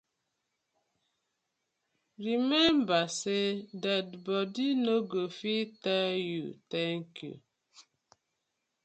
Remmeber say dead bodi no go fit tell yu tank yu.